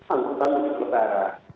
anggota mudik lebaran